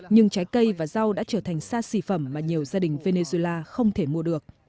nhưng trái cây và rau đã trở thành sa xỉ phẩm mà nhiều gia đình venezuela không thể mua được